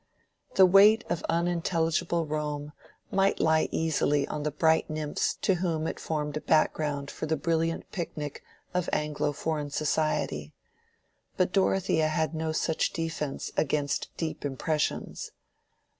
The weight of unintelligible Rome might lie easily on bright nymphs to whom it formed a background for the brilliant picnic of Anglo foreign society; but Dorothea had no such defence against deep impressions.